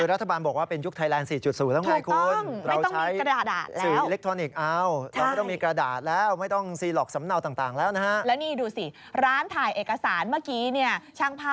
รัฐบาลบอกว่าเป็นยุคไทยแลนด์๔๐แล้วไงคุณ